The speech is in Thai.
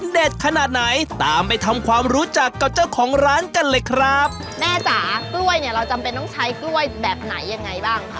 ขนาดไหนตามไปทำความรู้จักกับเจ้าของร้านกันเลยครับแม่จ๋ากล้วยเนี่ยเราจำเป็นต้องใช้กล้วยแบบไหนยังไงบ้างคะ